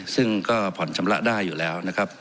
ซึ่งก็ผ่อนชำระได้อยู่แล้วนะครับ